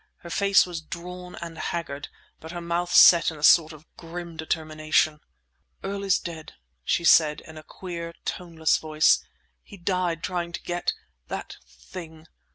Her face was drawn and haggard; but her mouth set in a sort of grim determination. "Earl is dead!" she said, in a queer, toneless voice. "He died trying to get—that thing!